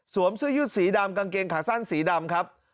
สวมเสื้อยึดศรีดำกางเกงขาสั้นศรีดำครับ